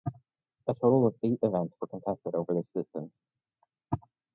A total of eight events were contested over this distance.